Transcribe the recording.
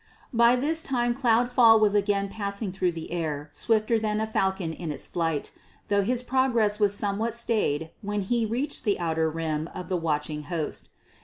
By this time Cloudfall was again passing through the air swifter than a falcon in its flight, though his progress was somewhat stayed when he reached the outer rim of the watching host.